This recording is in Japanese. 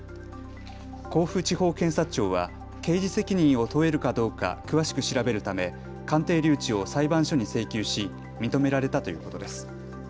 甲府地方検察庁は刑事責任を問えるかどうか詳しく調べるため鑑定留置を裁判所に請求し認められたということです。